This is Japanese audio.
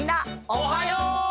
おはよう！